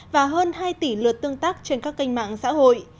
và hơn hai tỷ lượt tương tác trên các kênh mạng xã hội